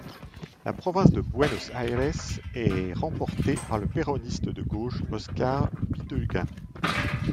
La province de Buenos Aires est remporté par le péroniste de gauche Oscar Bidegain.